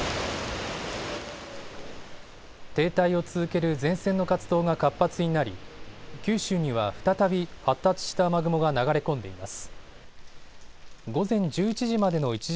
停滞を続ける前線の活動が活発になり、九州には再び発達した雨雲が流れ込んでいます。